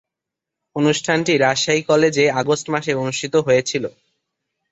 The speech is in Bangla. অনুষ্ঠানটি রাজশাহী কলেজে আগস্ট মাসে অনুষ্ঠিত হয়েছিলো।